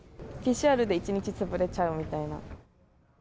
ＰＣＲで１日潰れちゃうみたいな。